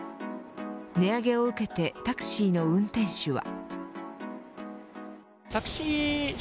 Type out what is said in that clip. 値上げを受けてタクシーの運転手は。